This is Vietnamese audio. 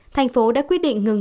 thành phố đã quyết định ngừng